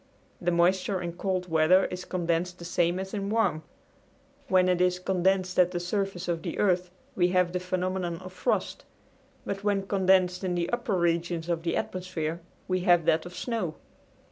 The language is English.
The moisture in cold weather is condensed the same as in warm. When it is condensed at the surface of the earth we have the phenomenon of frost, but when condensed in the upper regions of the atmosphere we have that of snow.